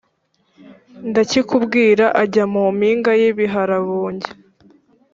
ndakikubwira ajya mu mpinga y ibiharabuge